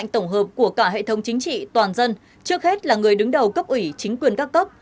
tổng hợp của cả hệ thống chính trị toàn dân trước hết là người đứng đầu cấp ủy chính quyền các cấp